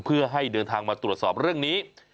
เพื่อให้เดินทางมาตรวจสอบเรื่องนี้